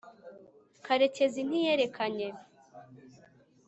karekezi ntiyerekanye